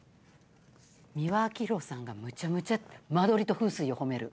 美輪明宏さんがむちゃむちゃ間取りと風水を褒める。